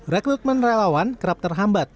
rekrutmen relawan kerap terhambat